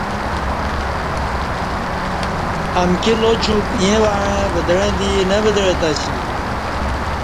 امکی لاچوک ییں وعں ودعہ دی نہ ودعہ تسی